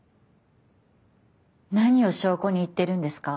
何を証拠に言ってるんですか？